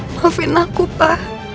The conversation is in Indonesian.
maafin aku pa